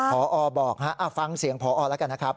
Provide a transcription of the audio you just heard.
พอบอกฮะฟังเสียงพอแล้วกันนะครับ